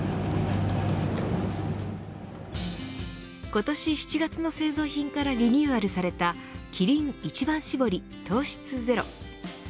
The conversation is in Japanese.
今年７月の製造品からリニューアルされたキリン一番搾り糖質ゼロ。